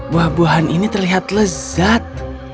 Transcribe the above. buah buahan ini terlihat lezat